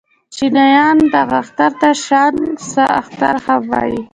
چينایان دغه اختر ته شانګ سه اختر هم وايي.